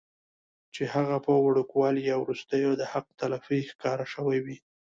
چې هغه پۀ وړوکوالي يا وروستو د حق تلفۍ ښکار شوي وي